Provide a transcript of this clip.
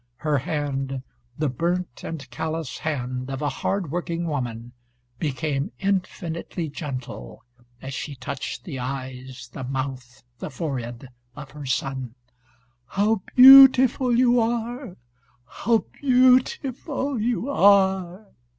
Her hand the burnt and callous hand of a hard working woman became infinitely gentle as she touched the eyes, the mouth, the forehead of her son. "How beautiful you are! How beautiful you are!"